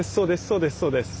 そうですそうです。